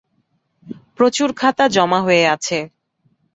প্রচুর খাতা জমা হয়ে আছে।